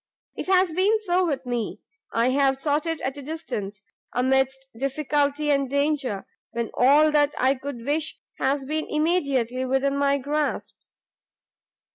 It has been so with me; I have sought it at a distance, amidst difficulty and danger, when all that I could wish has been immediately within my grasp."